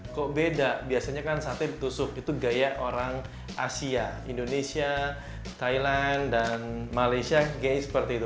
kok beda biasanya kan sate ditusuk itu gaya orang asia indonesia thailand dan malaysia gaya seperti itu